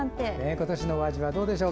今年のお味はどうでしょう。